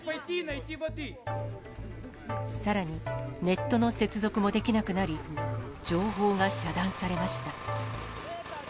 さらに、ネットの接続もできなくなり、情報が遮断されました。